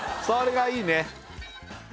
それがいいね